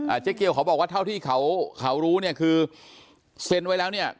เจ๊เกียวเขาบอกว่าเท่าที่เขาเขารู้เนี่ยคือเซ็นไว้แล้วเนี่ย